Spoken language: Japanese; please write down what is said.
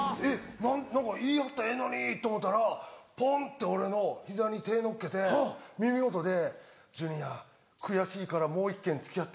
何か言いはったらええのにと思うたらポンと俺の膝に手のっけて耳元で「ジュニア悔しいからもう１軒付き合ってくれ」。